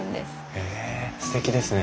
へえすてきですね。